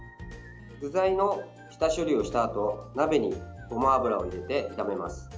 具材の下処理をしたあと鍋にごま油を入れて炒めます。